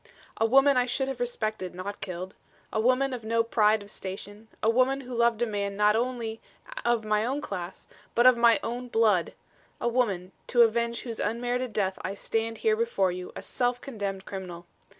A woman I should have respected, not killed. A woman of no pride of station; a woman who loved a man not only of my own class but of my own blood a woman, to avenge whose unmerited death I stand here before you a self condemned criminal.